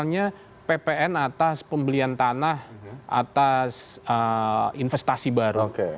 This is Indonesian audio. misalnya ppn atas pembelian tanah atas investasi baru